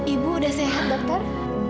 ibu udah sehat dokter